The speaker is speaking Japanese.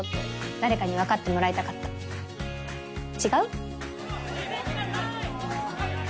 誰かに分かってもらいたかった違う？